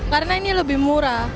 karena ini lebih murah